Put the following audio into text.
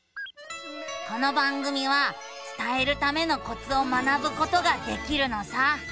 この番組は伝えるためのコツを学ぶことができるのさ。